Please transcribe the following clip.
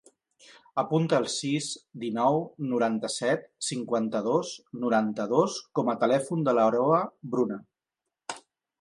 Apunta el sis, dinou, noranta-set, cinquanta-dos, noranta-dos com a telèfon de l'Aroa Bruna.